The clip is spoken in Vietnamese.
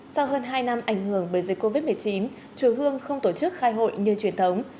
sau hơn hai năm ảnh hưởng bởi dịch covid một mươi chín chùa hương không tổ chức khai hội như truyền thống